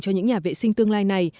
cho những nhà vệ sinh tương lai này